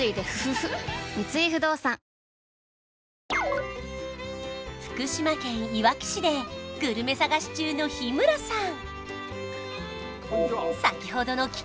三井不動産福島県いわき市でグルメ探し中の日村さん